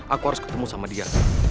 aku harus ketemu sama dia